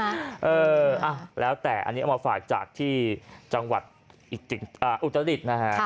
อ่าแล้วแต่อันนี้เอามาฝากจากที่จังหวัดอุตติฝิตนะคะค่ะ